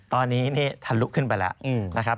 ตอนนี้ทะลุขึ้นไปแล้ว